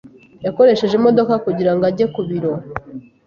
Yakoresheje imodoka kugirango ajye ku biro.